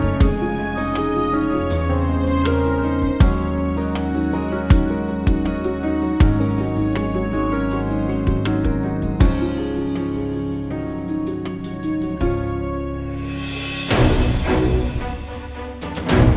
b bradley ramih gitu